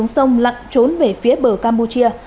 đẩy xuống sông lặn trốn về phía bờ campuchia